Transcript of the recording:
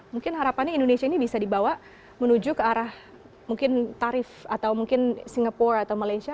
mungkin harapannya indonesia ini bisa dibawa menuju ke arah mungkin tarif atau mungkin singapura atau malaysia